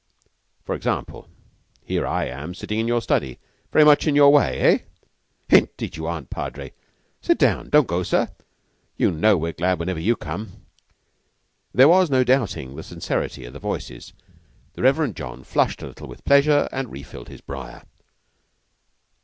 "For example, here am I sitting in your study, very much in your way, eh?" "Indeed you aren't, Padre. Sit down. Don't go, sir. You know we're glad whenever you come." There was no doubting the sincerity of the voices. The Reverend John flushed a little with pleasure and refilled his briar.